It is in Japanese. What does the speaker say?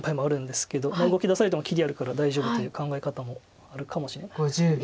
動きだされても切りあるから大丈夫という考え方もあるかもしれないんですけど。